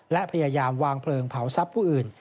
และพยายามวางเพลิงเผาทรัพย์ผู้อื่น